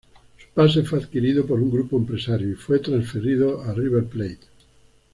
Su pase fue adquirido por un grupo empresario y fue transferido a River Plate.